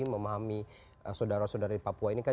memahami saudara saudara di papua ini kan